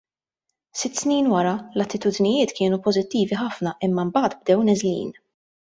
Sitt snin wara l-attitudnijiet kienu pożittivi ħafna imma mbagħad bdew neżlin.